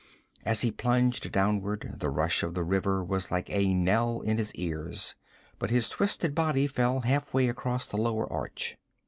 As he plunged downward the rush of the river was like a knell in his ears, but his twisted body fell halfway across the lower arch.